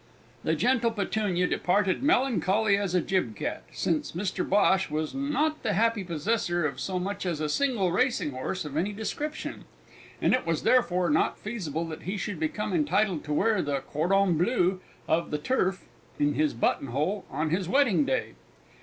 The gentle Petunia departed melancholy as a gib cat, since Mr Bhosh was not the happy possessor of so much as a single racing horse of any description, and it was therefore not feasible that he should become entitled to wear the cordon bleu of the turf in his buttonhole on his wedding day!